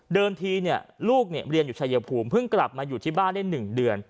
เดินทีเนี่ยลูกเนี่ยเรียนอยู่ชายภูมิเพิ่งกลับมาอยู่ที่บ้านได้๑เดือน